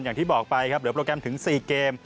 อย่างที่บอกไปครับเหลือโปรแกรมถึง๔เกม